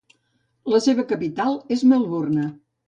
La seva capital és Melbourne.